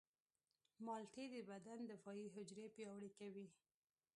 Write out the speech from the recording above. مالټې د بدن دفاعي حجرې پیاوړې کوي.